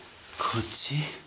こっち？